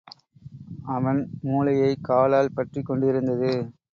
அவன் மூளையைக் காலால் பற்றிக் கொண்டிருந்தது.